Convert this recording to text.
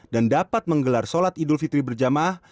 dan dapat menggelar sholat idul fitri berjamaah